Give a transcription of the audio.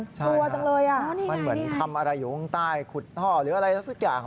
กลัวจังเลยอ่ะมันเหมือนทำอะไรอยู่ข้างใต้ขุดท่อหรืออะไรสักอย่าง